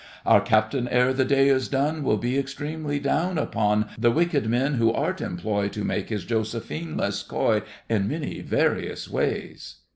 Our captain, ere the day is gone, Will be extremely down upon The wicked men who art employ To make his Josephine less coy In many various ways.